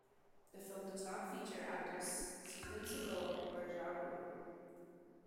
The film does not feature actors Steven Seagal or Ja Rule.